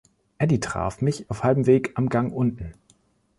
Eddie traf mich auf halbem Weg am Gang unten.